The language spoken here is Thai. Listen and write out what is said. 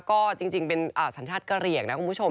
ก็จริงเป็นสัญชาติกะเหลี่ยงนะคุณผู้ชม